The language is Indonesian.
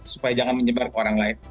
supaya jangan menyebar ke orang lain